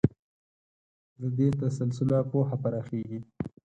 له دې تسلسله پوهه پراخېږي.